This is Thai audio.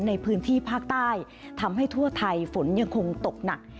ในพื้นที่ภาคใต้ทำให้ทั่วไทยฝนยังคงตกหนัก